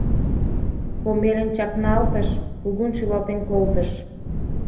— Комелин чакналтыш, кугун шӱлалтен колтыш.